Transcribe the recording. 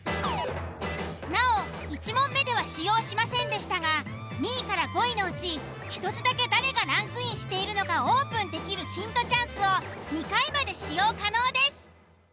なお１問目では使用しませんでしたが２位５位のうち１つだけ誰がランクインしてるのかオープンできるヒントチャンスを２回まで使用可能です。